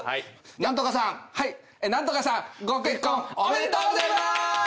何とかさん何とかさんご結婚おめでとうございまーす！